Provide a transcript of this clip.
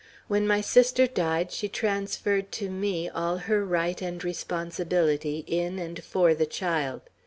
When my sister died, she transferred to me all her right and responsibility in and for the child.